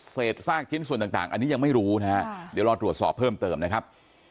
ซากชิ้นส่วนต่างอันนี้ยังไม่รู้นะฮะเดี๋ยวรอตรวจสอบเพิ่มเติมนะครับ